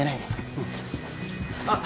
うん。あっ。